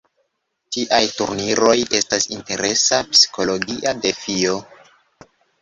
Tiaj turniroj estas interesa psikologia defio.